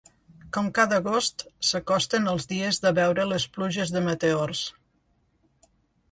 Com cada agost, s’acosten els dies de veure les pluges de meteors.